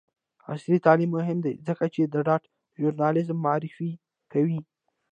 عصري تعلیم مهم دی ځکه چې د ډاټا ژورنالیزم معرفي کوي.